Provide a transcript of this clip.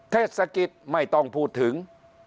เทศกิจไม่ต้องพูดถึง